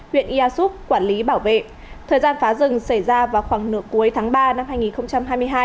huyện ia súp quản lý bảo vệ thời gian phá rừng xảy ra vào khoảng nửa cuối tháng ba năm hai nghìn hai mươi hai